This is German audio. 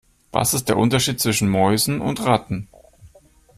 Was ist der Unterschied zwischen Mäusen und Ratten?